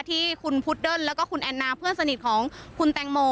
ที่คุณพุดเดิ้ลแล้วก็คุณแอนนาเพื่อนสนิทของคุณแตงโม